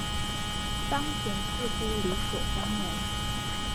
當前似乎理所當然